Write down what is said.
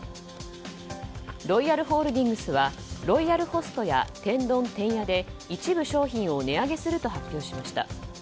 ロイヤルホールディングスはロイヤルホストや天丼てんやで、一部商品を値上げすると発表しました。